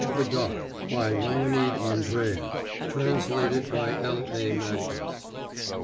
THE DARK BY LEONID ANDREEV TRANSLATED BY L. A. MAGNUS AND K.